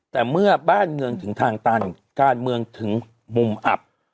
แต่เมื่อบ้านเมืองถึงทางตันการเมืองถึงมุมอับ